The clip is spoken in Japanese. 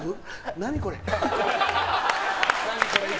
何これ。